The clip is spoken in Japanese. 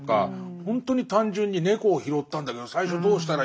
ほんとに単純に「猫を拾ったんだけど最初どうしたらいいの」って。